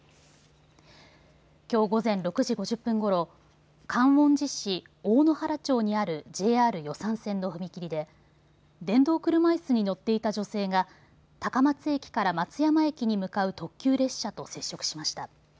きょう午前６時５０分ごろ、観音寺市大野原町にあるＪＲ予讃線の踏切で電動車いすに乗っていた女性が高松駅から松山駅に向かう特急列車と接触しました。